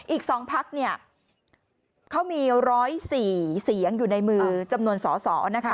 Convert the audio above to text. อีก๒พักเนี่ยเขามี๑๐๔เสียงอยู่ในมือจำนวนสอสอนะคะ